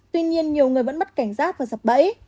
tuy nhiên nhiều người vẫn mất cảnh giác và sập bẫy